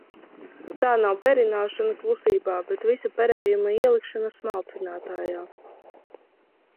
Tā nav perināšana klusībā, bet visa perējuma ielikšana smalcinātājā!